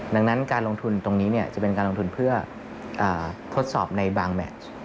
ดังนั้นการลงทุนตรงนี้จะเป็นการลงทุนเพื่อทดสอบในบางแมช